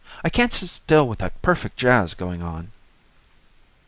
"I can't sit still with that perfect jazz going on."